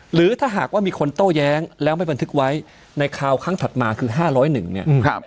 หรือถ้าหากว่ามีคนโต้แย้งแล้วไม่บันทึกไว้ในคราวครั้งถัดมาคือ๕๐๑เนี่ย